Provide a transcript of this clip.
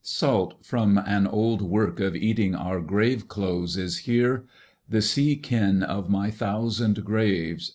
Salt from an old work of eating our graveclothes is here. The sea kin of my thousand graves.